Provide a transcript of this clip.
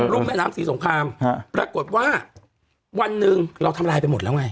ุ่มแม่น้ำศรีสงครามปรากฏว่าวันหนึ่งเราทำลายไปหมดแล้วไง